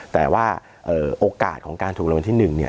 แต่ว่าโอกาสของการถูกรางวัลที่๑เนี่ย